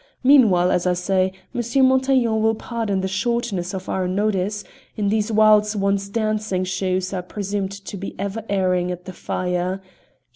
Meanwhile, as I say, M. Montaiglon will pardon the shortness of our notice; in these wilds one's dancing shoes are presumed to be ever airing at the fire.